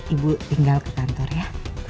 ibu tinggal ke kantor ya